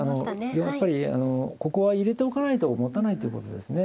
やっぱりここは入れておかないともたないっていうことですね。